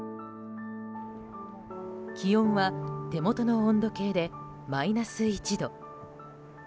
気温は手元の温度計でマイナス１度。